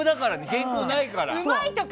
原稿ないから。